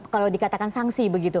kalau dikatakan sanksi begitu